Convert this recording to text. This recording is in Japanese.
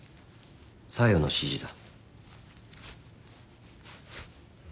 小夜の指示だ。